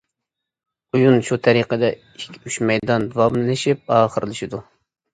ئويۇن شۇ تەرىقىدە ئىككى-ئۈچ مەيدان داۋاملىشىپ ئاخىرلىشىدۇ.